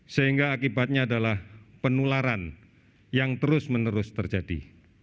sehingga akibatnya adalah penularan yang terus menerus terjadi